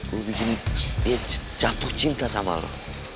lo bikin dia jatuh cinta sama lo